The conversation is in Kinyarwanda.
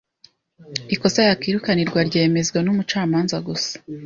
ikosa yakwirukanirwa ryemezwa n’umucamanza gusa